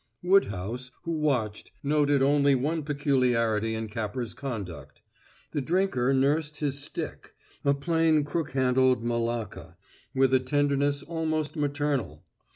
Woodhouse, who watched, noted only one peculiarity in Capper's conduct: The drinker nursed his stick, a plain, crook handled malacca, with a tenderness almost maternal.